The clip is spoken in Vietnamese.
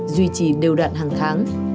duy trì đều đạn hàng tháng